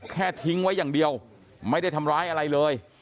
ทิ้งไว้อย่างเดียวไม่ได้ทำร้ายอะไรเลย